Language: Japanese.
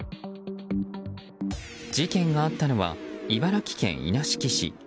事件があったのは茨城県稲敷市。